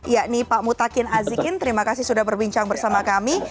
yakni pak mutakin azikin terima kasih sudah berbincang bersama kami